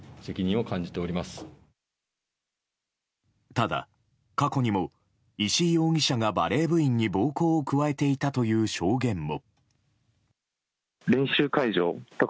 ただ、過去にも石井容疑者がバレー部員に暴行を加えていたという証言も。